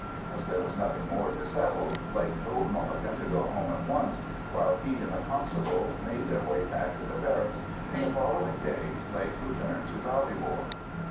As there was nothing more to settle, Blake told Mulligan to go home at once, while he and the constable made their way back to the barracks, and the following day Blake returned to Ballybor.